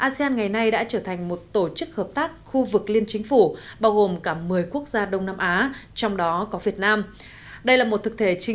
xin chào và hẹn gặp lại